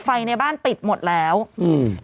ในบ้านปิดหมดแล้วอืม